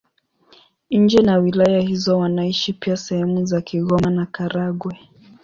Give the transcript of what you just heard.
Nje na wilaya hizo wanaishi pia sehemu za Kigoma na Karagwe.